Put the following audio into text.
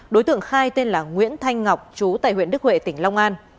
đối tượng khai tên là nguyễn thanh ngọc chú tại huyện đức huệ tỉnh long an